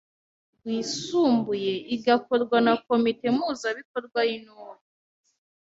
rwisumbuye igakorwa na komite mpuzabikorwa y’Intore.